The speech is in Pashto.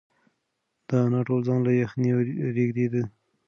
د انا ټول ځان له یخنۍ رېږدېده.